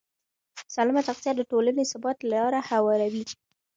سالمه تغذیه د ټولنې ثبات ته لاره هواروي.